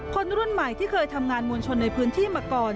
คนรุ่นใหม่ที่เคยทำงานมวลชนในพื้นที่มาก่อน